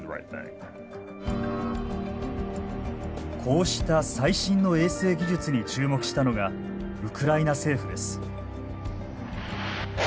こうした最新の衛星技術に注目したのがウクライナ政府です。